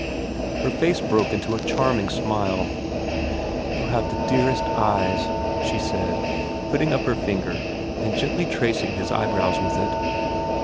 Her face broke into a charming smile. ' You have the dearest eyes,' she said, putting up her finger and gently tracing his eyebrows with it.